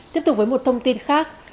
tiếp tục với một thông tin khác